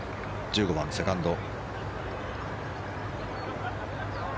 １５番のセカンド。